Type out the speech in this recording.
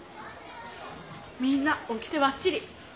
みんなオキテばっちり！